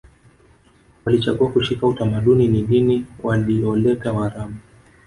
Walichagua kushika utamaduni ni dini walioleta waarabu